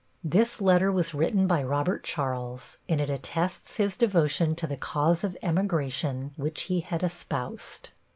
This letter was written by Robert Charles, and it attests his devotion to the cause of emigration which he had espoused.